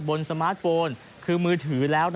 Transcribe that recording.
สมาร์ทโฟนคือมือถือแล้ว